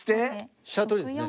飛車取りですね。